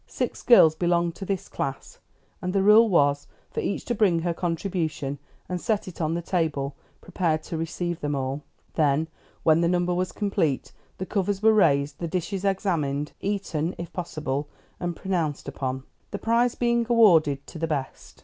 Six girls belonged to this class, and the rule was for each to bring her contribution and set it on the table prepared to receive them all; then, when the number was complete, the covers were raised, the dishes examined, eaten (if possible), and pronounced upon, the prize being awarded to the best.